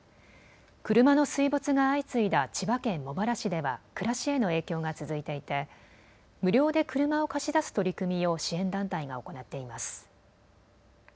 車の水没が相次いだ千葉県茂原市では暮らしへの影響が続いていて無料で車を貸し出す取り組みを支援団体が行っています。